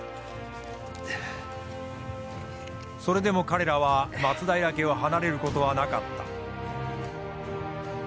それでも彼らは松平家を離れることはなかった。